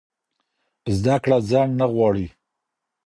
زده کړه ځنډ نه غواړي.